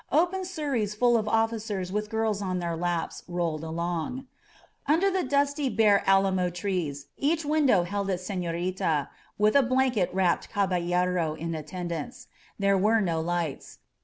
Open surreys full of officers with girls on their laps rolled along. Under the dusty, bare alamo trees each win dow held its senorita, with a blanket wrapped cabdUero in attendance. There were no lights.